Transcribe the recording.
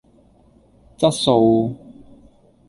質素